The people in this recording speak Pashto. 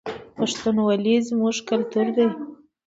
پښتونولي زموږ کلتور دی